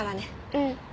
うん。